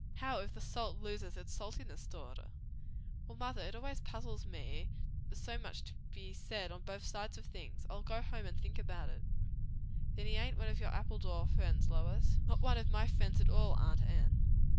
"How, if the salt loses its saltness, daughter?" "Well, mother, it always puzzles me, that there's so much to be said on both sides of things! I'll go home and think about it. Then he ain't one o' your Appledore friends, Lois?" "Not one of my friends at all, aunt Anne."